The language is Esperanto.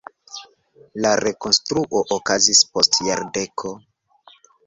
La rekonstruo okazis post jardeko.